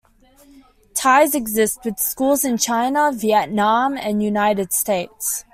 Ties exist with schools in China, Vietnam and the United States.